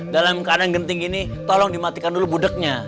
dalam keadaan genting gini tolong dimatikan dulu gudegnya